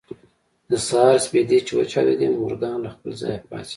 د سهار سپېدې چې وچاودېدې مورګان له خپل ځايه پاڅېد.